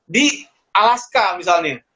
di alaska misalnya